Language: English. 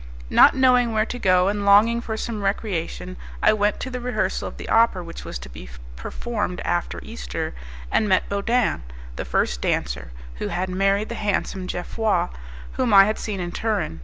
Not knowing where to go, and longing for some recreation, I went to the rehearsal of the opera which was to be performed after Easter, and met Bodin, the first dancer, who had married the handsome Jeoffroi, whom I had seen in Turin.